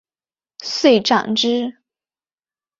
遂斩之。